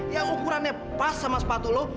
yang ukurannya pas sama sepatu lo